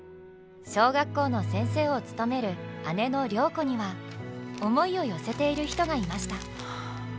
小学校の先生を務める姉の良子には思いを寄せている人がいました。